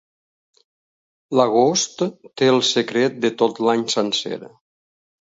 L'agost té el secret de tot l'any sencer.